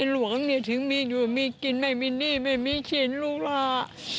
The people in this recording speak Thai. หลวงถึงมีอยู่มีกินไม่มีหนี้ไม่มีเขียนลูกลา